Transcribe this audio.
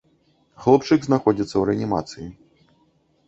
Хлопчык знаходзіцца ў рэанімацыі.